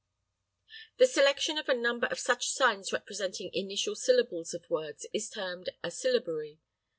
The selection of a number of such signs representing initial syllables of words is termed a syllabary.